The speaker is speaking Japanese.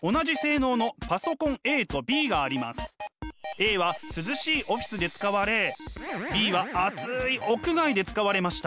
Ａは涼しいオフィスで使われＢは暑い屋外で使われました。